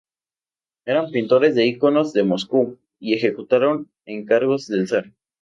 Eran pintores de iconos de Moscú y ejecutaron encargos del zar.